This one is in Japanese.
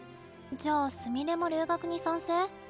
じゃあすみれも留学に賛成？